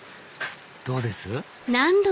どうです？